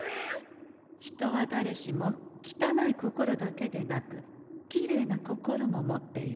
人はだれしもきたない心だけでなくきれいな心も持っている。